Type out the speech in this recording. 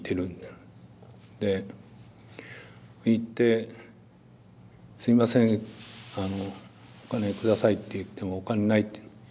で行って「すいませんお金下さい」って言っても「お金ない」って。